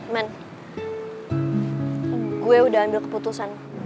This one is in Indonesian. men gue udah ambil keputusan